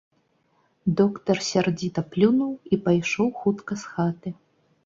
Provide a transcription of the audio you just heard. Доктар сярдзіта плюнуў і пайшоў хутка з хаты.